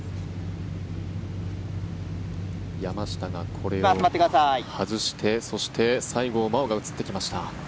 山下がこれを外してそして西郷真央が映ってきました。